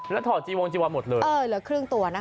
แล้วถอดจีวงจีวาหมดเลยเออเหลือครึ่งตัวนะคะ